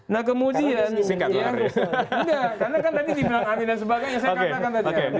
nah kemudian ya karena kan tadi dibilang aneh dan sebagainya saya katakan tadi